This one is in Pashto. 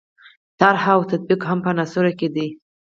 طرح او تطبیق هم په عناصرو کې دي.